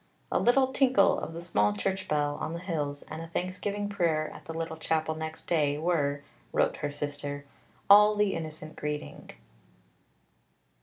"A little tinkle of the small church bell on the hills, and a thanksgiving prayer at the little chapel next day, were," wrote her sister, "all the innocent greeting."